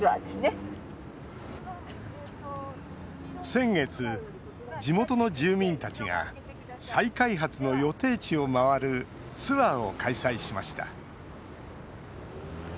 先月、地元の住民たちが再開発の予定地を回るツアーを開催しました。